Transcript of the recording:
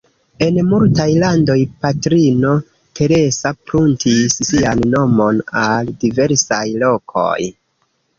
En multaj landoj, Patrino Teresa pruntis sian nomon al diversaj lokoj.